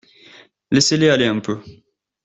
Laissez-les aller un peu.